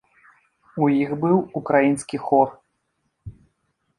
У іх быў украінскі хор.